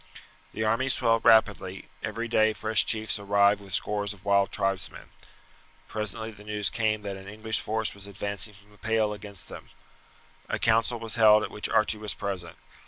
The army swelled rapidly; every day fresh chiefs arrived with scores of wild tribesmen. Presently the news came that an English force was advancing from the Pale against them. A council was held at which Archie was present.